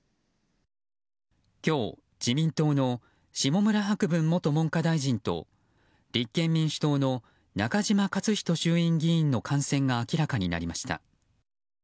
今日、自民党の下村博文元文科大臣と立憲民主党の中島克仁衆院議員の感染が明らかになりました。